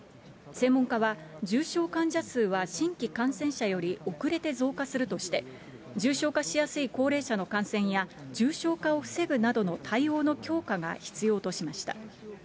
専門家は、重症患者数は新規感染者より遅れて増加するとして、重症化しやすい高齢者の感染や、重症化を防ぐなどの対応の強化が必要としました。